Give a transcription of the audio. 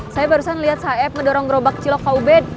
saya barusan liat saeb ngedorong gerobak cilok kak ubed